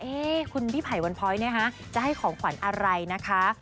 คุณพี่ไผ่วันพ้อยเนี่ยฮะจะให้ของขวัญอะไรนะคะ